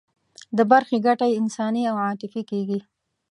د برخې ګټه یې انساني او عاطفي کېږي.